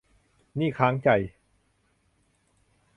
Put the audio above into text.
หนี้ค้างใจ